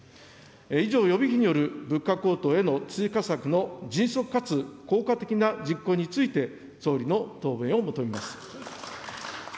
以上、予備費による物価高騰への追加策の迅速かつ効果的な実行について総理の答弁を求めます。